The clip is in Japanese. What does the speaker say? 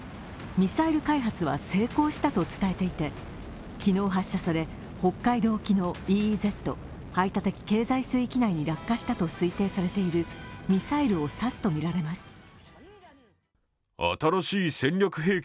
ミサイル開発は成功したと伝えていて、昨日発射され、北海道沖のＥＥＺ＝排他的経済水域内に落下したと推定されているミサイルを指すとみられます。